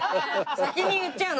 先に言っちゃうの。